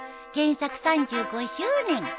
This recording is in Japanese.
「原作３５周年！」